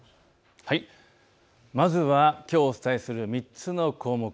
まずはきょうお伝えする３つの項目。